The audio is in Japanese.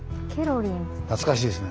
懐かしいですね。